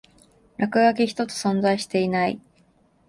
落書き一つ存在していない